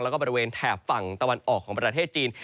แล้วก็บริเวณแถบฝั่งตะวันออกของประเทศจีน